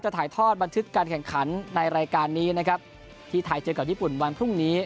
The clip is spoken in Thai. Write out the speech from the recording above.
ถ่ายทอดบันทึกการแข่งขันในรายการนี้นะครับที่ไทยเจอกับญี่ปุ่นวันพรุ่งนี้